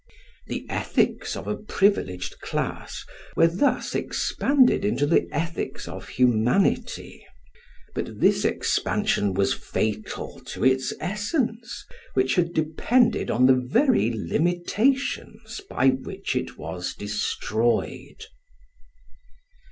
The ethics of a privileged class were thus expanded into the ethics of humanity; but this expansion was fatal to its essence, which had depended on the very limitations by which it was destroyed.